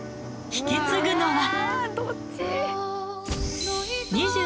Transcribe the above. ［引き継ぐのは］